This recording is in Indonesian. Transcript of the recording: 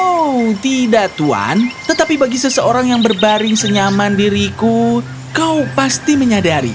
oh tidak tuhan tetapi bagi seseorang yang berbaring senyaman diriku kau pasti menyadari